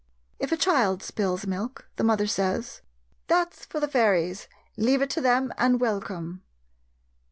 If a child spills milk, the mother says, "that's for the fairies, leave it to them and welcome."